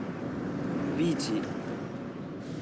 ビーチ。